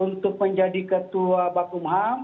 untuk menjadi ketua bakung ham